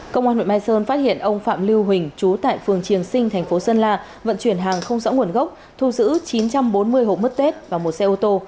công an huyện mai sơn phát hiện ông phạm lưu huỳnh chú tại phường triềng sinh thành phố sơn la vận chuyển hàng không rõ nguồn gốc thu giữ chín trăm bốn mươi hộp mứt tết và một xe ô tô